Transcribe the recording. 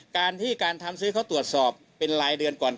การที่การทำซื้อเขาตรวจสอบเป็นรายเดือนก่อน